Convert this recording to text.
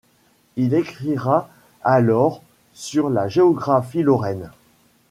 Il écrira alors sur la géographie Lorraine.